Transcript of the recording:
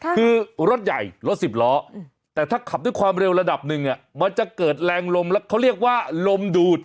คือรถใหญ่รถสิบล้อแต่ถ้าขับด้วยความเร็วระดับหนึ่งมันจะเกิดแรงลมแล้วเขาเรียกว่าลมดูด